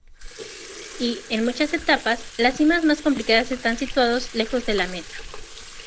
Y, en muchas etapas, las cimas más complicados están situados lejos de la meta.